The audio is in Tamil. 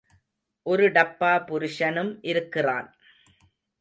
ஒரு டப்பா புருஷனும் இருக்கிறான்.